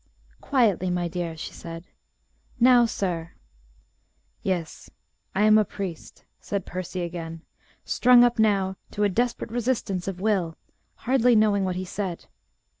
"Quietly, my dear," she said. "Now, sir " "Yes, I am a priest," said Percy again, strung up now to a desperate resistance of will, hardly knowing what he said.